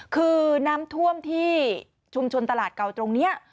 คือน้ำท่วมที่ชุมชนตลาดเก่าตรงนี้